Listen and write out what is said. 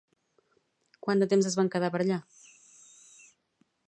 Quant de temps es van quedar per allà?